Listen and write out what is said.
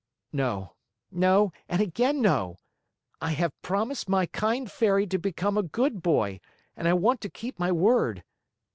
"No, no, and again no! I have promised my kind Fairy to become a good boy, and I want to keep my word.